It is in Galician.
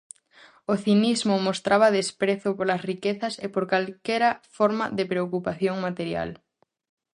O cinismo mostraba desprezo polas riquezas e por calquera forma de preocupación material.